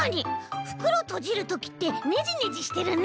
ふくろとじるときってねじねじしてるね。